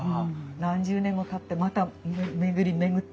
何十年もたってまた巡り巡ってね